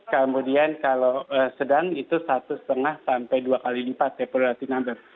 kemudian kalau sedang itu satu lima sampai dua kali lipat heperty number